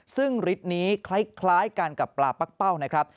ซึ่งฤทธิ์นี้คล้ายกันกับปลาปักเป้านะครับ